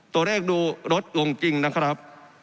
ตัวเลขดูลดลงจริงนะครับ